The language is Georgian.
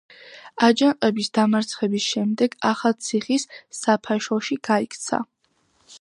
აჯანყების დამარცხების შემდეგ ახალციხის საფაშოში გაიქცა.